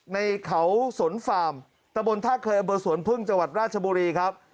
ในเขาสวนฟาร์มตะบนท่าเคยอำเภอสวนพึ่งจังหวัดราชบุรีครับ